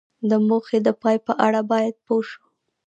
د موخې د پای په اړه باید پوه شو.